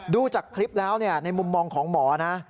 ดูจากคลิปแล้วในมุมมองของหมอนะ